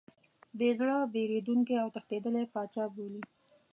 بې زړه، بېرندوکی او تښتېدلی پاچا بولي.